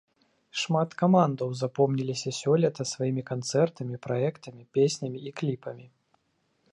Шмат камандаў запомніліся сёлета сваімі канцэртамі, праектамі, песнямі і кліпамі.